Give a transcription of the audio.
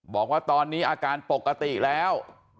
บอกว่าตอนนี้อาการปกติแล้ว